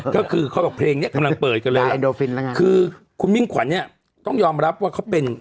ก็คือเขาบอกเพลงเนี้ยกำลังเปิดกันเลยคือคุณมิ่งขวัญเนี่ยต้องยอมรับว่าเขาเป็น